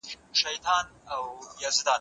که موږ پوه سو، نو غلطو تبلیغاتو ته به تسلیم نه سو.